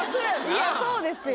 いやそうですよ。